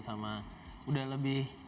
sama udah lebih